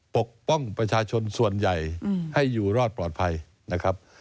ปกป้องประชาชนส่วนใหญ่ให้อยู่รอดปลอดภัยนะครับ